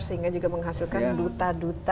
sehingga juga menghasilkan duta duta